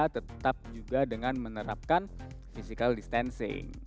tetap juga dengan menerapkan physical distancing